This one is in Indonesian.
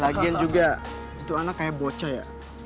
lagian juga itu anak kayak bocah ya